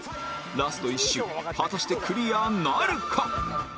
ラスト１周果たしてクリアなるか？